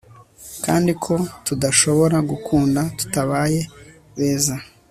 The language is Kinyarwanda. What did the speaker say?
kandi ko tudashobora gukunda tutabaye beza